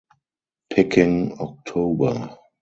Picking October.